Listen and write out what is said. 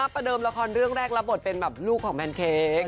ประเดิมละครเรื่องแรกรับบทเป็นแบบลูกของแพนเค้ก